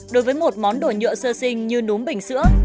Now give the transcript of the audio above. đối với một món đồ nhựa sơ sinh như nốm bình sữa